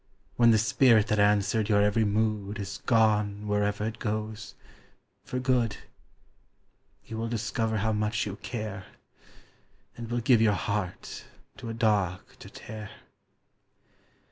When the spirit that answered your every mood Is gone wherever it goes for good, You will discover how much you care, And will give your heart to a dog to tear!